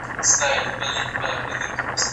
د کاري قراردادونو روښانه والی مهم دی.